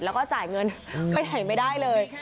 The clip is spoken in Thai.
แล้วก็จ่ายเงินไปไหนไม่ได้เลย